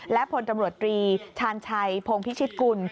และพลตำรวจตรีชาญชัยพงพิชิตกุล